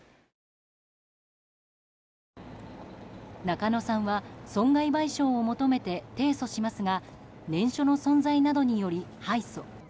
中野さんは損害賠償を求めて提訴しますが念書の存在などにより敗訴。